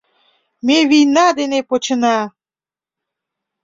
Ме вийна ден почына!